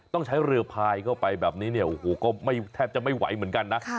ต้องใช้เรือพายเข้าไปแบบนี้เนี่ยโอ้โหก็ไม่แทบจะไม่ไหวเหมือนกันนะ